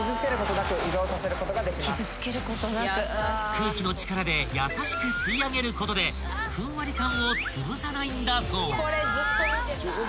［空気の力で優しく吸い上げることでふんわり感をつぶさないんだそう］